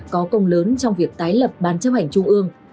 có công lớn trong việc tái lập ban chấp hành trung ương